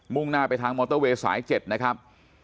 ่งหน้าไปทางมอเตอร์เวย์สาย๗นะครับ